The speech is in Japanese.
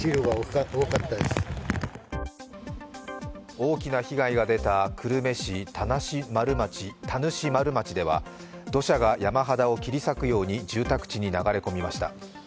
大きな被害が出た久留米市田主丸町では土砂が山肌を切り裂くように住宅地に流れ込みました。